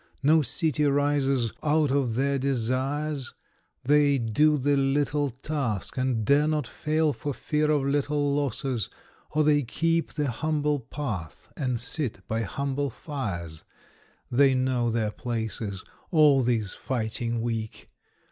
No city rises out of their desires ; They do the little task, and dare not fail For fear of little losses — or they keep The humble path and sit by humble fires; They know their places — all these fighting Weak!